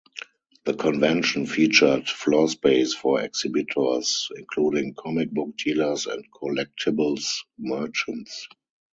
The convention featured floorspace for exhibitors, including comic book dealers and collectibles merchants.